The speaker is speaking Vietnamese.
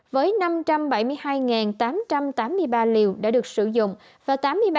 với năm trăm bảy mươi hai tám trăm tám mươi ba liều đã được sử dụng và tám mươi ba một trăm ba mươi hai